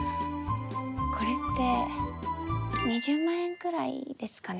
これって２０万円くらいですかね。